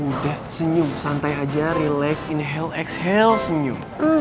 udah senyum santai aja relax inhale exhale senyum